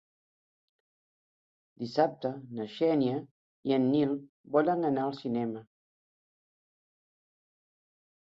Dissabte na Xènia i en Nil volen anar al cinema.